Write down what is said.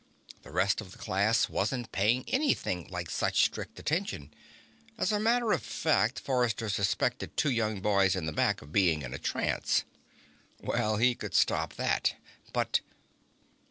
The rest of the class wasn't paying anything like such strict attention. As a matter of fact, Forrester suspected two young boys in the back of being in a trance. Well, he could stop that. But